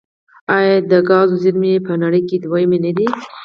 آیا د ګازو زیرمې یې په نړۍ کې دویمې نه دي؟